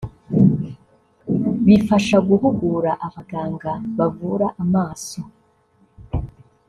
bifasha guhugura abaganga bavura amaso